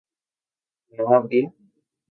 ¿no habría?